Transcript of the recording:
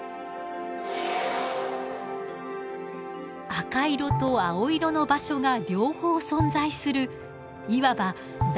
赤色と青色の場所が両方存在するいわば男女モザイクの脳。